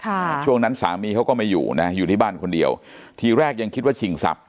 ช่วงนั้นสามีเขาก็ไม่อยู่นะอยู่ที่บ้านคนเดียวทีแรกยังคิดว่าชิงทรัพย